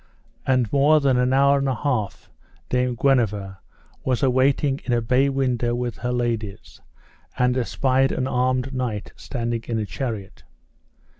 And more than an hour and an half Dame Guenever was awaiting in a bay window with her ladies, and espied an armed knight standing in a chariot.